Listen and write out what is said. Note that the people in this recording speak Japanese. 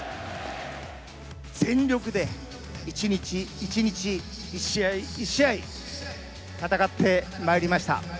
全力で一日一日、一試合一試合戦ってまいりました。